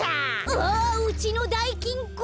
ああっうちのだいきんこ！